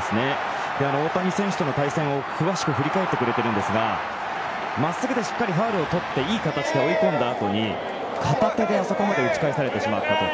大谷選手との対戦を詳しく振り返ってくれたんですがまっすぐでファウルをとっていい形で追い込んだあとに片手であそこまで打ち返されてしまったと。